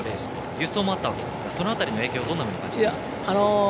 輸送もあったわけですがその辺りの影響どんなふうに感じていますか？